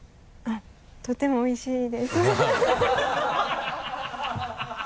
とてもおいしいです。ハハハ